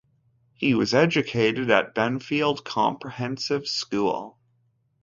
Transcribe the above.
He was educated at Benfield Comprehensive School.